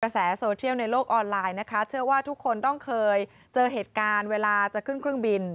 แสโซเทียลในโลกออนไลน์นะคะเชื่อว่าทุกคนต้องเคยเจอเหตุการณ์เวลาจะขึ้นเครื่องบิน